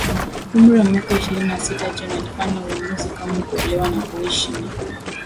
umri wa miaka ishirini na sita John alifanya uamuzi kamwe kuolewa na kuishi na